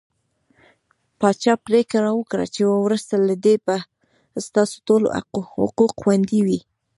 پاچا پرېکړه وکړه چې وروسته له دې به ستاسو ټول حقوق خوندي وي .